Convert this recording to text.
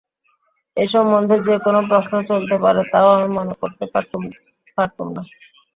এ সম্বন্ধে যে কোনো প্রশ্ন চলতে পারে তাও আমি মনে করতে পারতুম না।